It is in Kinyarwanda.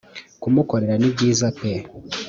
kumukorera ni byiza pe